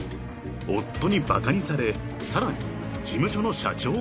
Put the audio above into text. ［夫にバカにされさらに事務所の社長からも］